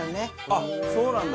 あっそうなんだ。